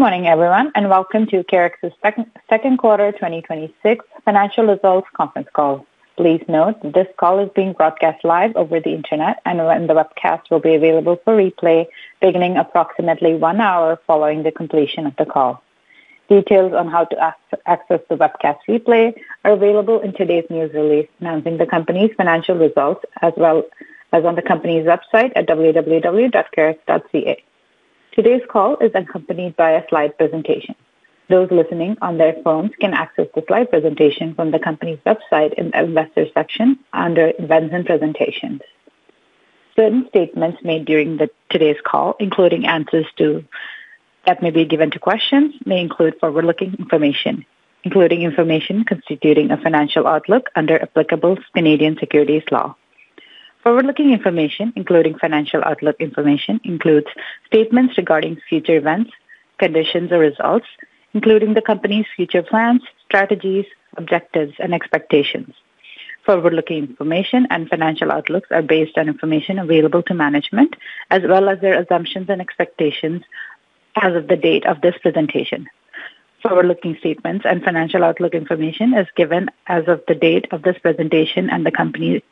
Good morning, everyone, and welcome to CareRx's second quarter 2026 financial results conference call. Please note, this call is being broadcast live over the internet and the webcast will be available for replay beginning approximately one hour following the completion of the call. Details on how to access the webcast replay are available in today's news release announcing the company's financial results, as well as on the company's website at www.carerx.ca. Today's call is accompanied by a slide presentation. Those listening on their phones can access the slide presentation from the company's website in the Investors section under Events and Presentations. Certain statements made during today's call, including answers that may be given to questions, may include forward-looking information, including information constituting a financial outlook under applicable Canadian securities law. Forward-looking information, including financial outlook information, includes statements regarding future events, conditions, or results, including the company's future plans, strategies, objectives, and expectations. Forward-looking information and financial outlooks are based on information available to management as well as their assumptions and expectations as of the date of this presentation. Forward-looking statements and financial outlook information is given as of the date of this presentation, and the company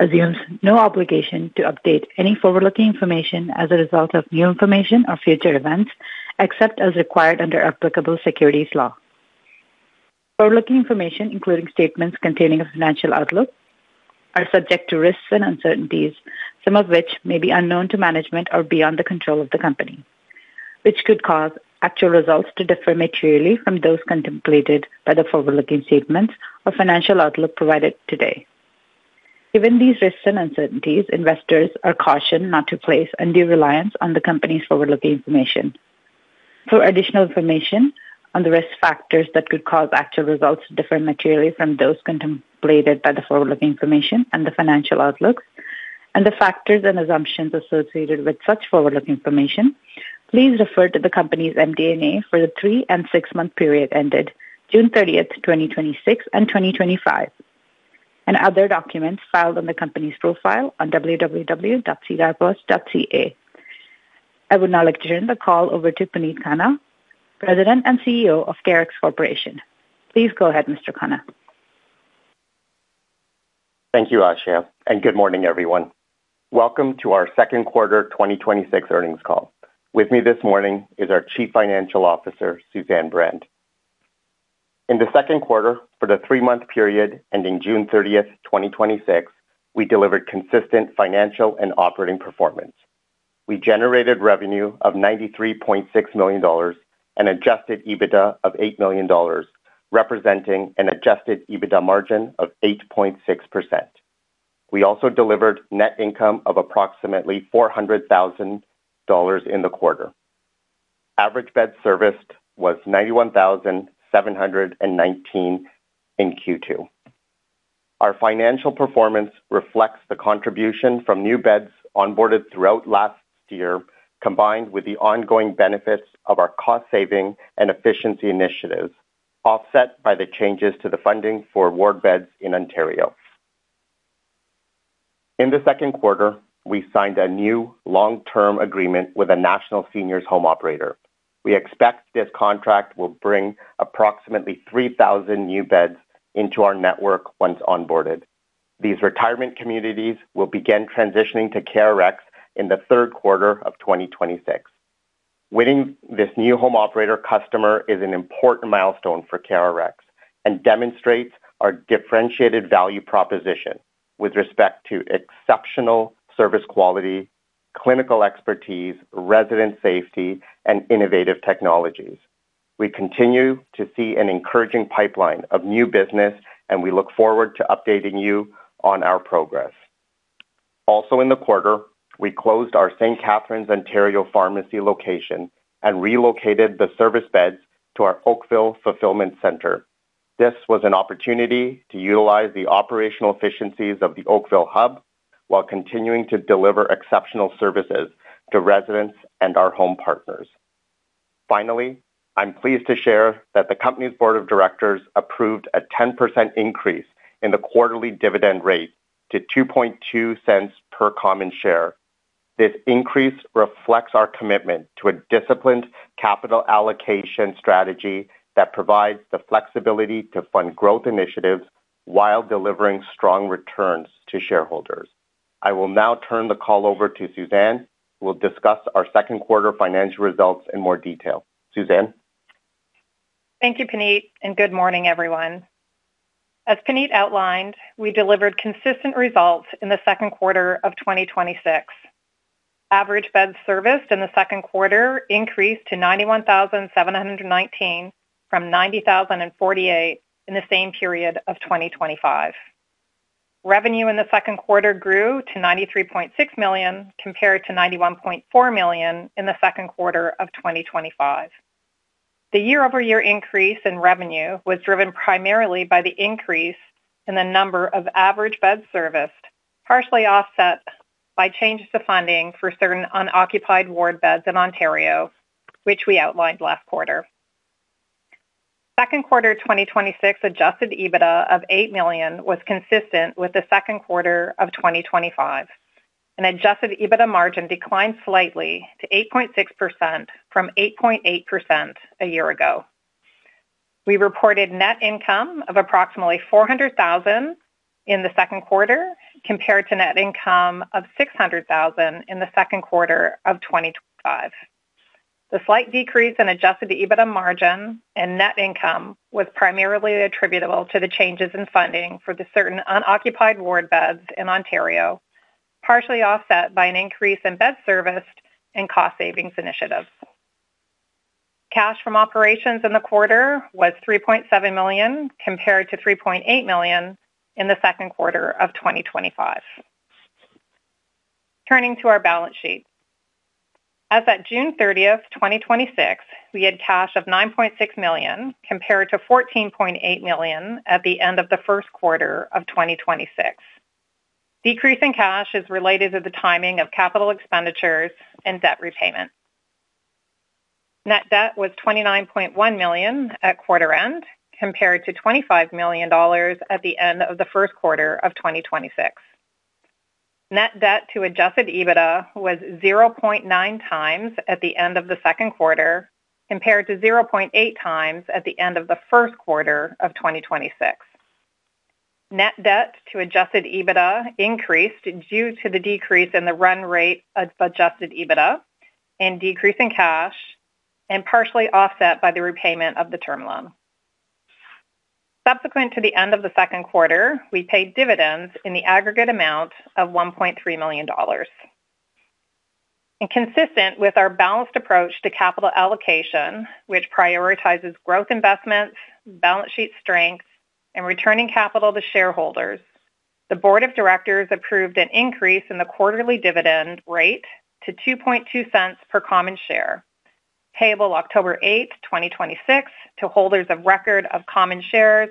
assumes no obligation to update any forward-looking information as a result of new information or future events, except as required under applicable securities law. Forward-looking information, including statements containing a financial outlook, are subject to risks and uncertainties, some of which may be unknown to management or beyond the control of the company, which could cause actual results to differ materially from those contemplated by the forward-looking statements or financial outlook provided today. Given these risks and uncertainties, investors are cautioned not to place undue reliance on the company's forward-looking information. For additional information on the risk factors that could cause actual results to differ materially from those contemplated by the forward-looking information and the financial outlooks and the factors and assumptions associated with such forward-looking information, please refer to the company's MD&A for the three and six-month period ended June 30th, 2026 and 2025, and other documents filed on the company's profile on www.sedarplus.ca. I would now like to turn the call over to Puneet Khanna, President and CEO of CareRx Corporation. Please go ahead, Mr. Khanna. Thank you, Asha, and good morning, everyone. Welcome to our second quarter 2026 earnings call. With me this morning is our Chief Financial Officer, Suzanne Brand. In the second quarter for the three-month period ending June 30th, 2026, we delivered consistent financial and operating performance. We generated revenue of 93.6 million dollars and adjusted EBITDA of 8 million dollars, representing an adjusted EBITDA margin of 8.6%. We also delivered net income of approximately 400,000 dollars in the quarter. Average beds serviced was 91,719 in Q2. Our financial performance reflects the contribution from new beds onboarded throughout last year, combined with the ongoing benefits of our cost-saving and efficiency initiatives, offset by the changes to the funding for ward beds in Ontario. In the second quarter, we signed a new long-term agreement with a national seniors home operator. We expect this contract will bring approximately 3,000 new beds into our network once onboarded. These retirement communities will begin transitioning to CareRx in the third quarter of 2026. Winning this new home operator customer is an important milestone for CareRx and demonstrates our differentiated value proposition with respect to exceptional service quality, clinical expertise, resident safety, and innovative technologies. We continue to see an encouraging pipeline of new business, and we look forward to updating you on our progress. Also in the quarter, we closed our St. Catharines, Ontario, pharmacy location and relocated the service beds to our Oakville fulfillment center. This was an opportunity to utilize the operational efficiencies of the Oakville hub while continuing to deliver exceptional services to residents and our home partners. Finally, I am pleased to share that the company's board of directors approved a 10% increase in the quarterly dividend rate to 0.022 per common share. This increase reflects our commitment to a disciplined capital allocation strategy that provides the flexibility to fund growth initiatives while delivering strong returns to shareholders. I will now turn the call over to Suzanne, who will discuss our second quarter financial results in more detail. Suzanne. Thank you, Puneet, and good morning, everyone. As Puneet outlined, we delivered consistent results in the second quarter of 2026. Average beds serviced in the second quarter increased to 91,719 from 90,048 in the same period of 2025. Revenue in the second quarter grew to 93.6 million compared to 91.4 million in the second quarter of 2025. The year-over-year increase in revenue was driven primarily by the increase in the number of average beds serviced, partially offset by changes to funding for certain unoccupied ward beds in Ontario, which we outlined last quarter. Second quarter 2026 adjusted EBITDA of 8 million was consistent with the second quarter of 2025. An adjusted EBITDA margin declined slightly to 8.6% from 8.8% a year ago. We reported net income of approximately 400,000 in the second quarter, compared to net income of 600,000 in the second quarter of 2025. The slight decrease in adjusted EBITDA margin and net income was primarily attributable to the changes in funding for the certain unoccupied ward beds in Ontario, partially offset by an increase in bed serviced and cost savings initiatives. Cash from operations in the quarter was 3.7 million, compared to 3.8 million in the second quarter of 2025. Turning to our balance sheet. As at June 30th, 2026, we had cash of 9.6 million compared to 14.8 million at the end of the first quarter of 2026. Decrease in cash is related to the timing of capital expenditures and debt repayment. Net debt was 29.1 million at quarter end, compared to 25 million dollars at the end of the first quarter of 2026. Net debt to adjusted EBITDA was 0.9x at the end of the second quarter, compared to 0.8x at the end of the first quarter of 2026. Net debt to adjusted EBITDA increased due to the decrease in the run rate of adjusted EBITDA and decrease in cash, and partially offset by the repayment of the term loan. Subsequent to the end of the second quarter, we paid dividends in the aggregate amount of 1.3 million dollars. Consistent with our balanced approach to capital allocation, which prioritizes growth investments, balance sheet strengths, and returning capital to shareholders, the board of directors approved an increase in the quarterly dividend rate to 0.022 per common share, payable October 8th, 2026 to holders of record of common shares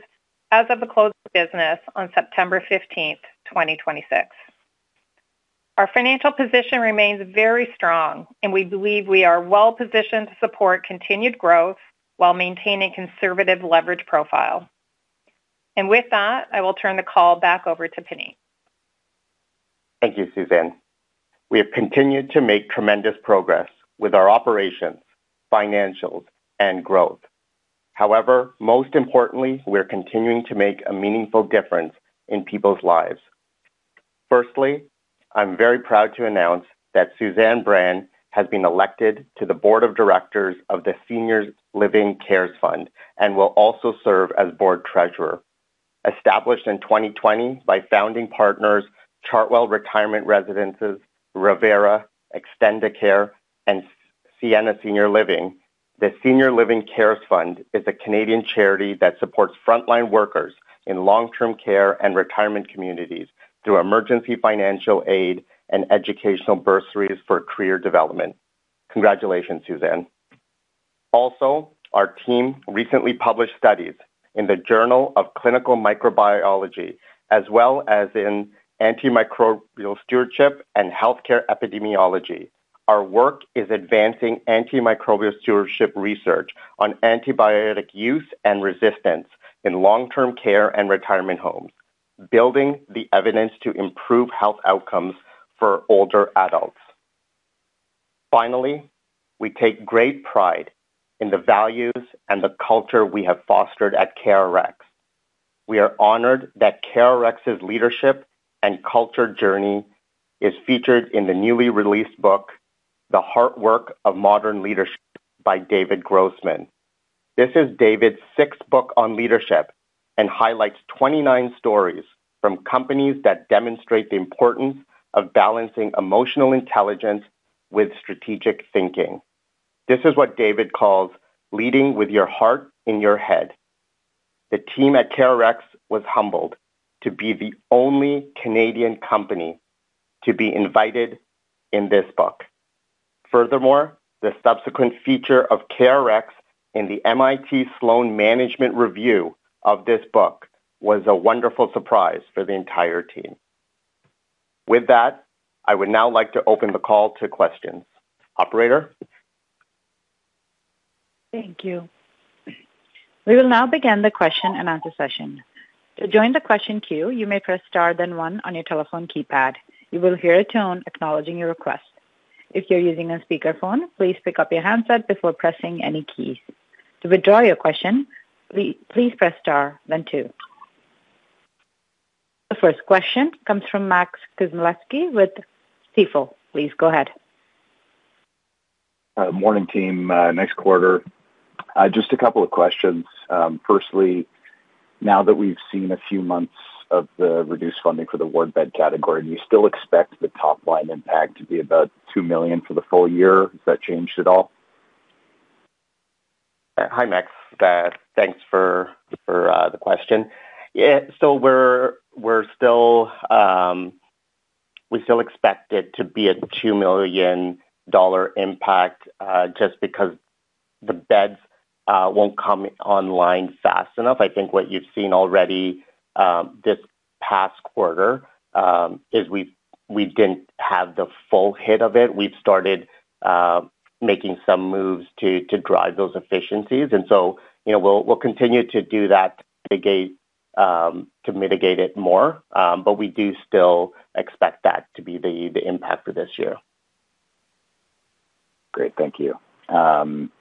as of the close of business on September 15th, 2026. Our financial position remains very strong, and we believe we are well-positioned to support continued growth while maintaining conservative leverage profile. With that, I will turn the call back over to Puneet. Thank you, Suzanne. We have continued to make tremendous progress with our operations, financials, and growth. However, most importantly, we're continuing to make a meaningful difference in people's lives. Firstly, I'm very proud to announce that Suzanne Brand has been elected to the board of directors of the Senior Living CaRES Fund and will also serve as board treasurer. Established in 2020 by founding partners Chartwell Retirement Residences, Revera, Extendicare, and Sienna Senior Living, the Senior Living CaRES Fund is a Canadian charity that supports frontline workers in long-term care and retirement communities through emergency financial aid and educational bursaries for career development. Congratulations, Suzanne. Also, our team recently published studies in the Journal of Clinical Microbiology, as well as in Antimicrobial Stewardship & Healthcare Epidemiology. Our work is advancing antimicrobial stewardship research on antibiotic use and resistance in long-term care and retirement homes, building the evidence to improve health outcomes for older adults. Finally, we take great pride in the values and the culture we have fostered at CareRx. We are honored that CareRx's leadership and culture journey is featured in the newly released book, "The Heart Work of Modern Leadership" by David Grossman. This is David's sixth book on leadership and highlights 29 stories from companies that demonstrate the importance of balancing emotional intelligence with strategic thinking. This is what David calls leading with your heart in your head. The team at CareRx was humbled to be the only Canadian company to be invited in this book. Furthermore, the subsequent feature of CareRx in the MIT Sloan Management Review of this book was a wonderful surprise for the entire team. With that, I would now like to open the call to questions. Operator? Thank you. We will now begin the question-and-answer session. To join the question queue, you may press star then one on your telephone keypad. You will hear a tone acknowledging your request. If you're using a speakerphone, please pick up your handset before pressing any keys. To withdraw your question, please press star then two. The first question comes from Max Czmielewski with Stifel. Please go ahead. Morning team. Next quarter. Just a couple of questions. Firstly, now that we've seen a few months of the reduced funding for the ward bed category, do you still expect the top-line impact to be about 2 million for the full year? Has that changed at all? Hi, Max. Thanks for the question. We're still, we still expect it to be a 2 million dollar impact, just because the beds won't come online fast enough. I think what you've seen already past quarter is we didn't have the full hit of it. We've started making some moves to drive those efficiencies. We'll continue to do that to mitigate it more. We do still expect that to be the impact for this year. Great, thank you.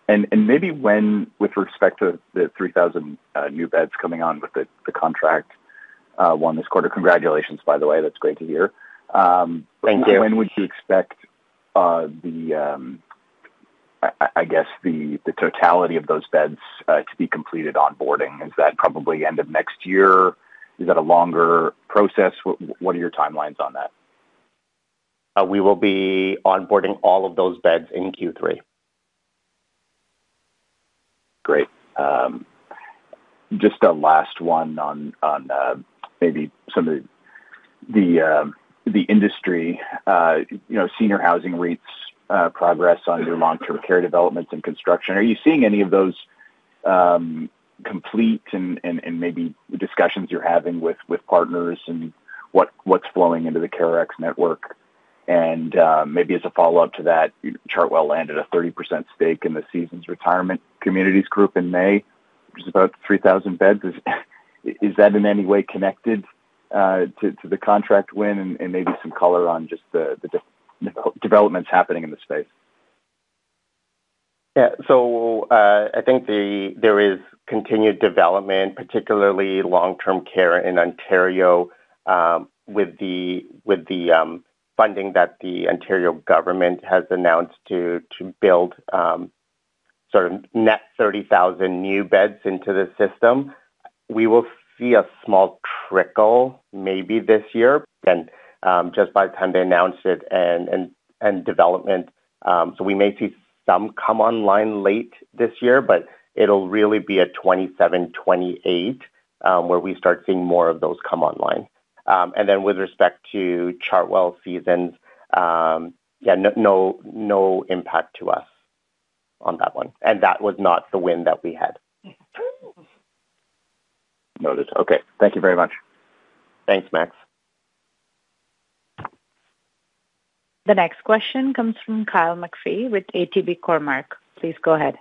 Maybe with respect to the 3,000 new beds coming on with the contract won this quarter. Congratulations, by the way. That's great to hear. Thank you. When would you expect, I guess, the totality of those beds to be completed onboarding? Is that probably end of next year? Is that a longer process? What are your timelines on that? We will be onboarding all of those beds in Q3. Great. Just a last one on maybe some of the industry, senior housing rates, progress on your long-term care developments and construction. Are you seeing any of those complete and maybe discussions you're having with partners and what's flowing into the CareRx network? Maybe as a follow-up to that, Chartwell landed a 30% stake in the Seasons Retirement Communities group in May, which is about 3,000 beds. Is that in any way connected to the contract win and maybe some color on just the developments happening in the space? I think there is continued development, particularly long-term care in Ontario with the funding that the Ontario government has announced to build net 30,000 new beds into the system. We will see a small trickle maybe this year than just by the time they announced it and development. We may see some come online late this year, but it will really be at 2027, 2028, where we start seeing more of those come online. With respect to Chartwell Seasons, no impact to us on that one. That was not the win that we had. Noted. Thank you very much. Thanks, Max. The next question comes from Kyle McPhee with ATB Cormark. Please go ahead.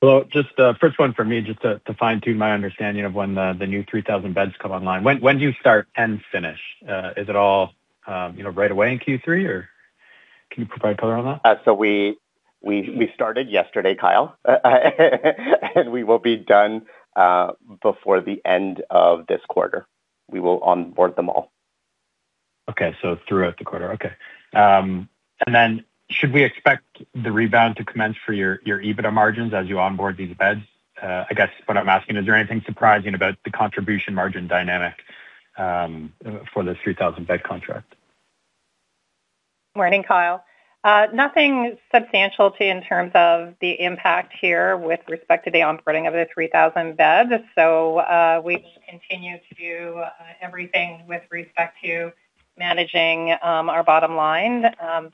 Hello, just the first one for me just to fine-tune my understanding of when the new 3,000 beds come online. When do you start and finish? Is it all right away in Q3, or can you provide color on that? We started yesterday, Kyle, and we will be done before the end of this quarter. We will onboard them all. Okay. Throughout the quarter. Okay. Should we expect the rebound to commence for your EBITDA margins as you onboard these beds? I guess what I'm asking, is there anything surprising about the contribution margin dynamic for this 3,000-bed contract? Morning, Kyle. Nothing substantial in terms of the impact here with respect to the onboarding of the 3,000 beds. We will continue to do everything with respect to managing our bottom line.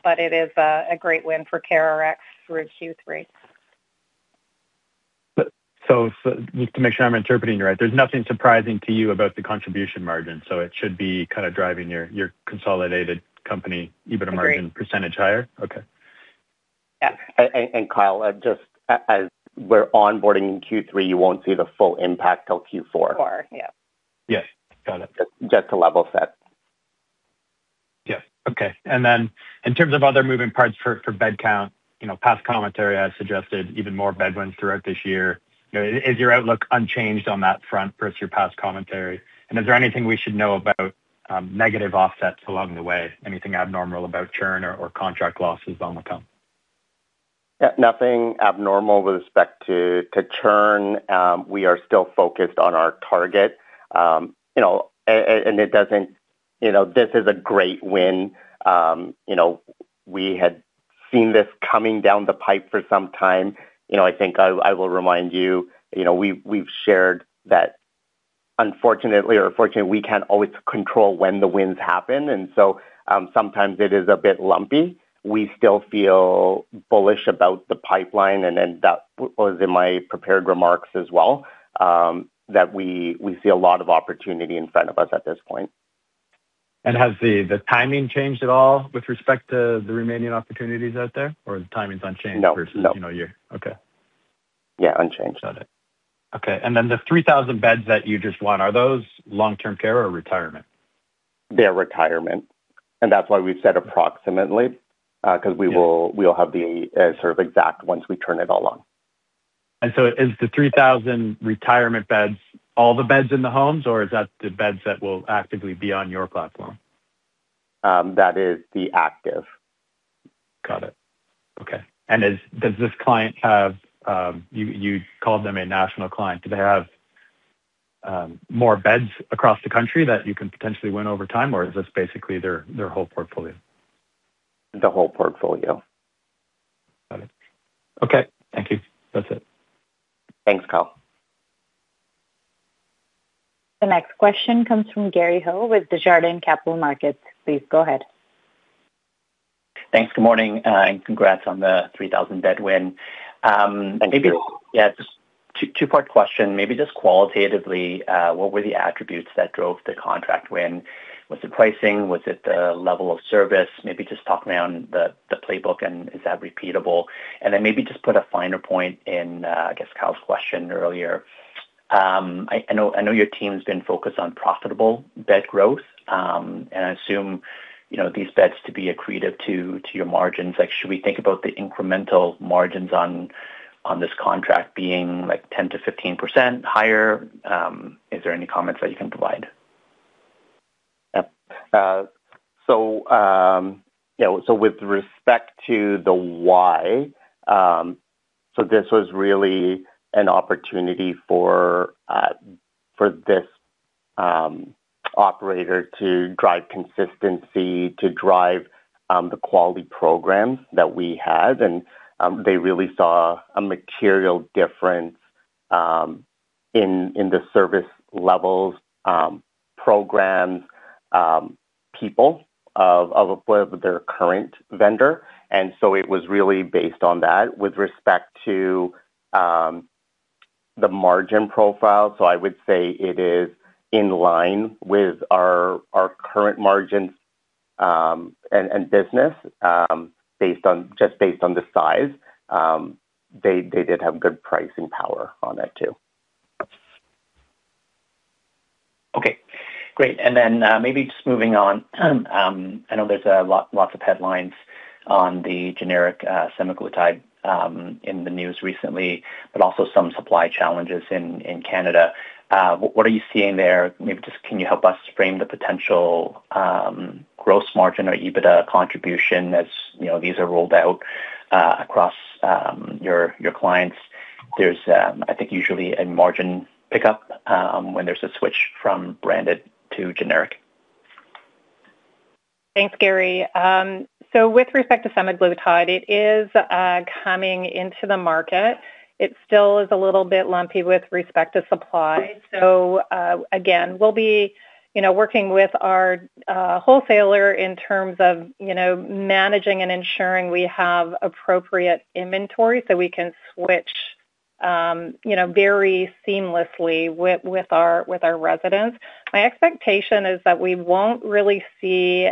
It is a great win for CareRx through Q3. Just to make sure I'm interpreting you right, there's nothing surprising to you about the contribution margin. It should be kind of driving your consolidated company EBITDA- Agreed. margin % higher? Okay. Yeah. Kyle, just as we're onboarding in Q3, you won't see the full impact till Q4. Q4, yeah. Yes. Got it. Just to level set. Yeah. Okay. Then in terms of other moving parts for bed count, past commentary has suggested even more bed wins throughout this year. Is your outlook unchanged on that front versus your past commentary? Is there anything we should know about negative offsets along the way? Anything abnormal about churn or contract losses on the come? Nothing abnormal with respect to churn. We are still focused on our target. This is a great win. We had seen this coming down the pipe for some time. I think I will remind you, we've shared that unfortunately or fortunately, we can't always control when the wins happen, and so sometimes it is a bit lumpy. We still feel bullish about the pipeline, and that was in my prepared remarks as well, that we see a lot of opportunity in front of us at this point. Has the timing changed at all with respect to the remaining opportunities out there, or the timing's unchanged? No. Okay. Yeah, unchanged on it. Okay. The 3,000 beds that you just won, are those long-term care or retirement? They're retirement. That's why we said approximately, because we'll have the sort of exact once we turn it all on. Is the 3,000 retirement beds all the beds in the homes, or is that the beds that will actively be on your platform? That is the active. Got it. Okay. Does this client have, you called them a national client. Do they have more beds across the country that you can potentially win over time, or is this basically their whole portfolio? The whole portfolio. Got it. Okay. Thank you. That's it. Thanks, Kyle. The next question comes from Gary Ho with Desjardins Capital Markets. Please go ahead. Thanks. Good morning, and congrats on the 3,000-bed win. Thank you. Yeah. Just two-part question. Maybe just qualitatively, what were the attributes that drove the contract win? Was it pricing? Was it the level of service? Maybe just talk around the playbook, and is that repeatable? Then maybe just put a finer point in, I guess, Kyle's question earlier. I know your team's been focused on profitable bed growth, and I assume these beds to be accretive to your margins. Should we think about the incremental margins on this contract being 10%-15% higher? Is there any comments that you can provide? Yep. With respect to the why, so this was really an opportunity for this operator to drive consistency, to drive the quality programs that we have. They really saw a material difference in the service levels, programs, people of their current vendor. It was really based on that. With respect to the margin profile, I would say it is in line with our current margins and business. Just based on the size, they did have good pricing power on that too. Okay, great. Then maybe just moving on. I know there's lots of headlines on the generic semaglutide in the news recently, but also some supply challenges in Canada. What are you seeing there? Maybe just can you help us frame the potential gross margin or EBITDA contribution as these are rolled out across your clients? There's, I think, usually a margin pickup when there's a switch from branded to generic. Thanks, Gary. With respect to semaglutide, it is coming into the market. It still is a little bit lumpy with respect to supply. Again, we'll be working with our wholesaler in terms of managing and ensuring we have appropriate inventory so we can switch very seamlessly with our residents. My expectation is that we won't really see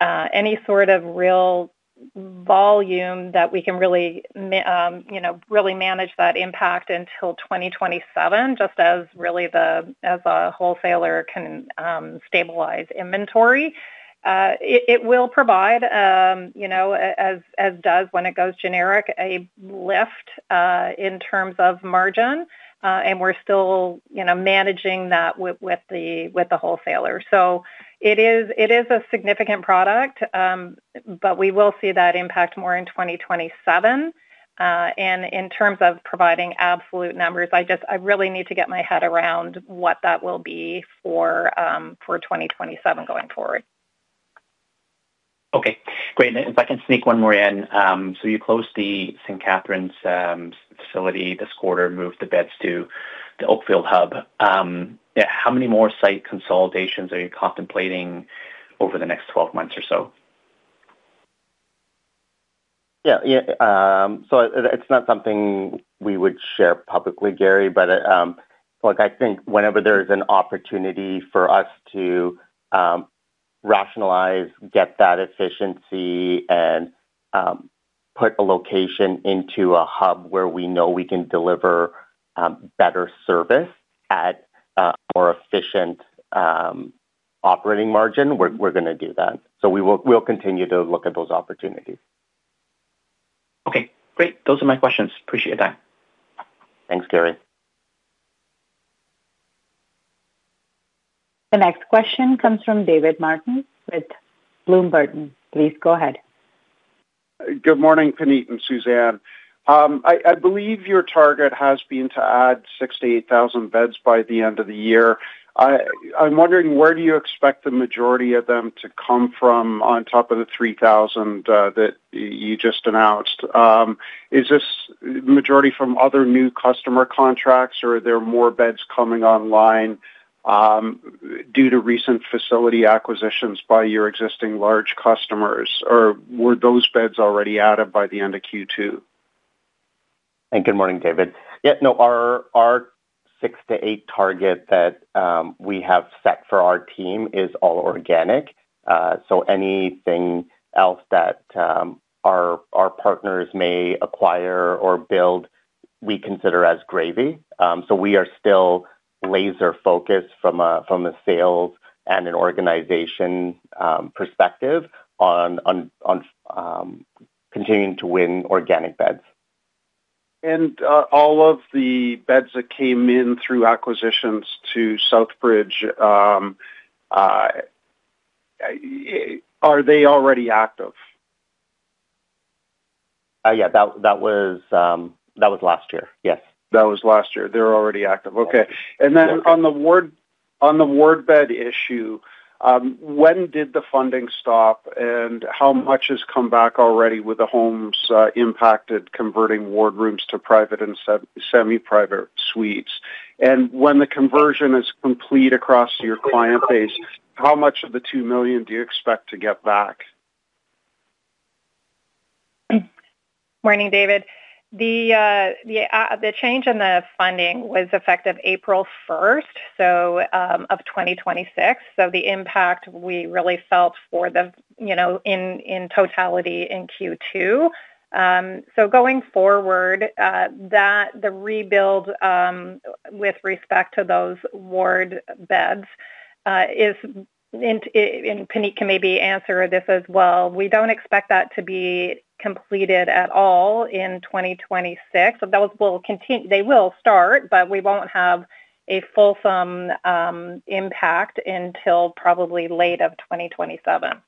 any sort of real volume that we can really manage that impact until 2027, just as really the wholesaler can stabilize inventory. It will provide, as does when it goes generic, a lift in terms of margin. We're still managing that with the wholesaler. It is a significant product, but we will see that impact more in 2027. In terms of providing absolute numbers, I really need to get my head around what that will be for 2027 going forward. Okay, great. If I can sneak one more in. You closed the St. Catharines facility this quarter, moved the beds to the Oakville hub. How many more site consolidations are you contemplating over the next 12 months or so? Yeah. It's not something we would share publicly, Gary, look, I think whenever there's an opportunity for us to rationalize, get that efficiency, and put a location into a hub where we know we can deliver better service at a more efficient operating margin, we're going to do that. We'll continue to look at those opportunities. Okay, great. Those are my questions. Appreciate that. Thanks, Gary. The next question comes from David Martin with Bloomberg. Please go ahead. Good morning, Puneet and Suzanne. I believe your target has been to add 6,000-8,000 beds by the end of the year. I'm wondering, where do you expect the majority of them to come from on top of the 3,000 that you just announced? Is this majority from other new customer contracts, or are there more beds coming online due to recent facility acquisitions by your existing large customers? Were those beds already added by the end of Q2? Good morning, David. Yeah. No, our six to eight target that we have set for our team is all organic. Anything else that our partners may acquire or build, we consider as gravy. We are still laser-focused from a sales and an organization perspective on continuing to win organic beds. All of the beds that came in through acquisitions to Southbridge, are they already active? Yeah. That was last year. Yes. That was last year. They're already active. Okay. Yeah. When did the funding stop, and how much has come back already with the homes impacted, converting ward rooms to private and semi-private suites? When the conversion is complete across your client base, how much of the 2 million do you expect to get back? Morning, David. The change in the funding was effective April 1st of 2026. The impact we really felt in totality in Q2. Going forward, the rebuild with respect to those ward beds is, and Puneet can maybe answer this as well, we don't expect that to be completed at all in 2026. They will start, but we won't have a fulsome impact until probably late of 2027.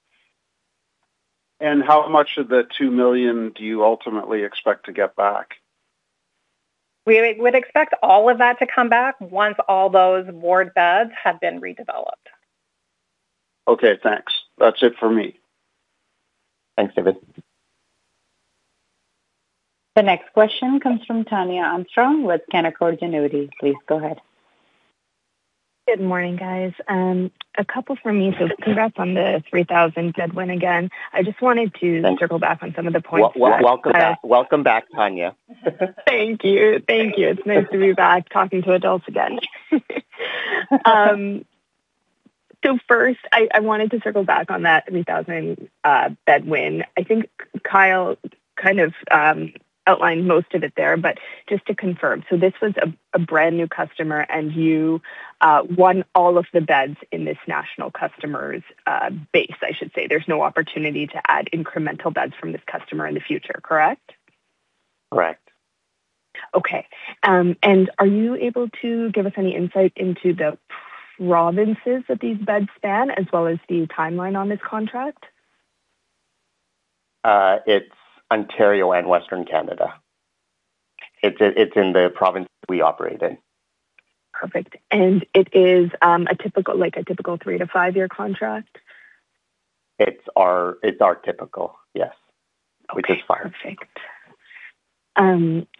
How much of the 2 million do you ultimately expect to get back? We would expect all of that to come back once all those ward beds have been redeveloped. Okay, thanks. That's it for me. Thanks, David. The next question comes from Tania Armstrong with Canaccord Genuity. Please go ahead. Good morning, guys. A couple from me. Congrats on the 3,000 bed win again. I just wanted to circle back on some of the points that. Welcome back, Tania. Thank you. It's nice to be back talking to adults again. First, I wanted to circle back on that 3,000 bed win. I think Kyle kind of outlined most of it there, but just to confirm, this was a brand-new customer, and you won all of the beds in this national customer's base, I should say. There's no opportunity to add incremental beds from this customer in the future, correct? Correct. Okay. Are you able to give us any insight into the provinces that these beds span as well as the timeline on this contract? It's Ontario and Western Canada. It's in the provinces we operate in. Perfect. Is like a typical three-to-five-year contract? It's our typical, yes, which is five. Okay, perfect.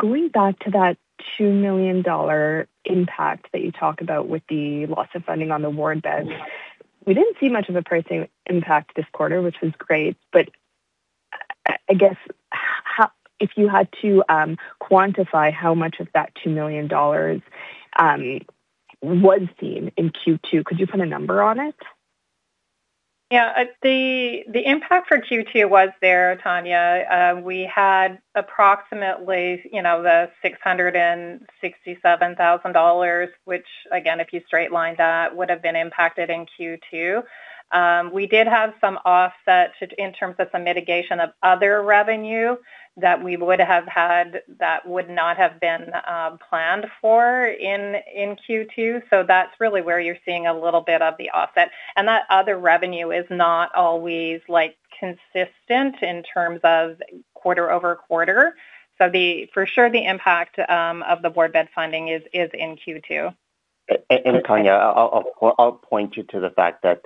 Going back to that 2 million dollar impact that you talked about with the loss of funding on the ward beds, we didn't see much of a pricing impact this quarter, which was great. I guess, if you had to quantify how much of that 2 million dollars was seen in Q2, could you put a number on it? Yeah. The impact for Q2 was there, Tania. We had approximately the 667,000 dollars, which again, if you straight line that, would have been impacted in Q2. We did have some offset in terms of some mitigation of other revenue that we would have had that would not have been planned for in Q2. That's really where you're seeing a little bit of the offset. That other revenue is not always consistent in terms of quarter-over-quarter. For sure the impact of the ward bed funding is in Q2. Tania, I'll point you to the fact that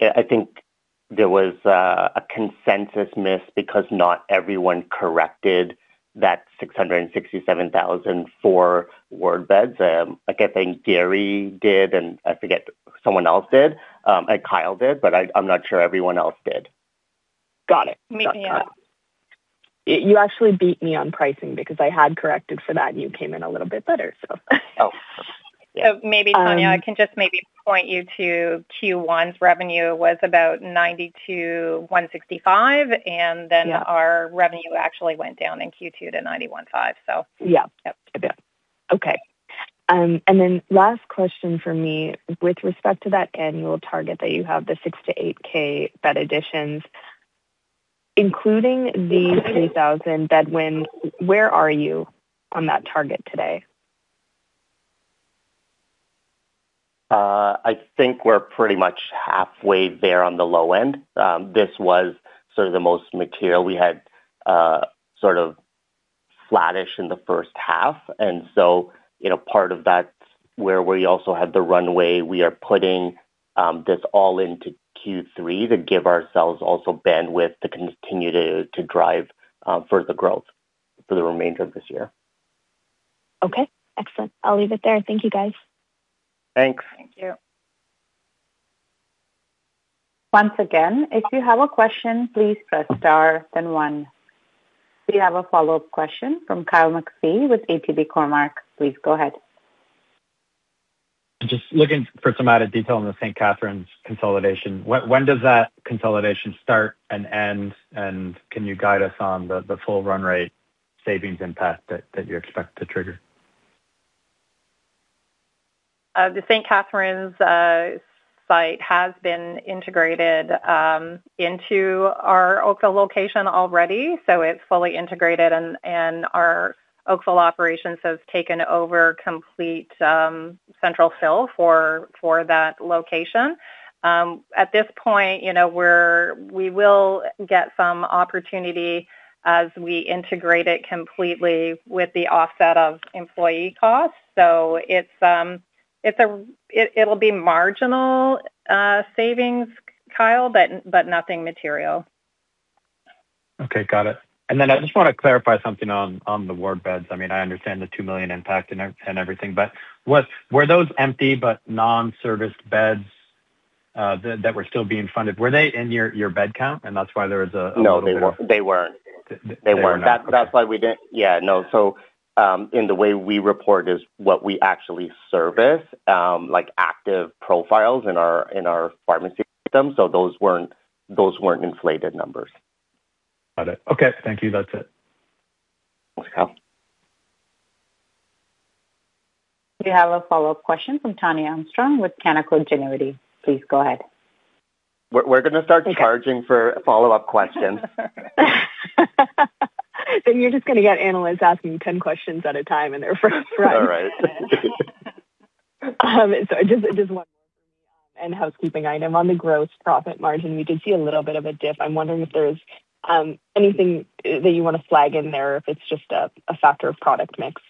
I think there was a consensus miss because not everyone corrected that 667,000 for ward beds. I think Gary did, and I forget, someone else did, and Kyle did, but I'm not sure everyone else did. Got it. Me, yeah. You actually beat me on pricing because I had corrected for that, and you came in a little bit better. Oh. Maybe, Tania, I can just maybe point you to Q1's revenue was about 92,165. Our revenue actually went down in Q2 to 91.5. Yeah. Okay. Last question from me. With respect to that annual target that you have, the 6,000 to 8,000 bed additions, including the 3,000 bed win, where are you on that target today? I think we're pretty much halfway there on the low end. This was sort of the most material. We had sort of flattish in the first half. Part of that's where we also had the runway. We are putting this all into Q3 to give ourselves also bandwidth to continue to drive further growth for the remainder of this year. Okay. Excellent. I'll leave it there. Thank you, guys. Thanks. Thank you. Once again, if you have a question, please press star then 1. We have a follow-up question from Kyle McPhee with ATB Cormark. Please go ahead. Just looking for some added detail on the St. Catharines consolidation. When does that consolidation start and end, and can you guide us on the full run rate savings impact that you expect to trigger? The St. Catharines site has been integrated into our Oakville location already, so it's fully integrated, and our Oakville operations has taken over complete central fill for that location. At this point, we will get some opportunity as we integrate it completely with the offset of employee costs. It'll be marginal savings, Kyle, but nothing material. Okay. Got it. I just want to clarify something on the ward beds. I understand the 2 million impact and everything, were those empty but non-serviced beds that were still being funded, were they in your bed count? No, they weren't. They were not. Okay. Yeah. No. In the way we report is what we actually service, like active profiles in our pharmacy system. Those weren't inflated numbers. Got it. Okay. Thank you. That's it. Welcome. We have a follow-up question from Tania Armstrong with Canaccord Genuity. Please go ahead. We're going to start charging for follow-up questions. You're just going to get analysts asking 10 questions at a time in their first run. All right. Just one more for me, and housekeeping item. On the gross profit margin, we did see a little bit of a dip. I'm wondering if there's anything that you want to flag in there, or if it's just a factor of product mix.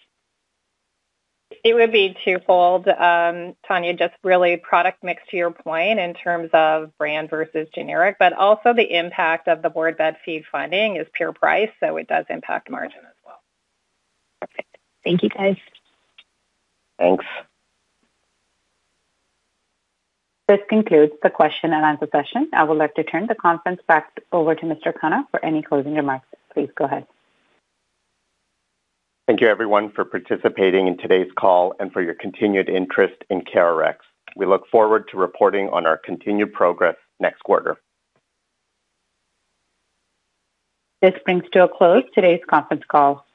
It would be twofold, Tania, just really product mix, to your point, in terms of brand versus generic, but also the impact of the ward bed feed funding is pure price, so it does impact margin as well. Perfect. Thank you, guys. Thanks. This concludes the question and answer session. I would like to turn the conference back over to Mr. Khanna for any closing remarks. Please go ahead. Thank you, everyone, for participating in today's call and for your continued interest in CareRx. We look forward to reporting on our continued progress next quarter. This brings to a close today's conference call.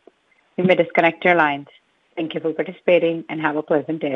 You may disconnect your lines. Thank you for participating, and have a pleasant day.